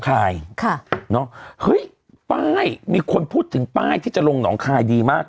ค่ะเนอะเฮ้ยป้ายมีคนพูดถึงป้ายที่จะลงหนองคายดีมาก